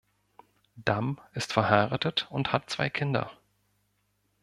Damm ist verheiratet und hat zwei Kinder.